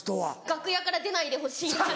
楽屋から出ないでほしい。